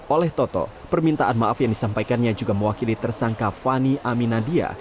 oleh toto permintaan maaf yang disampaikannya juga mewakili tersangka fani aminadia